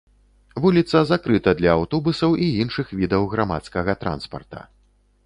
Вуліца закрыта для аўтобусаў і іншых відаў грамадскага транспарта.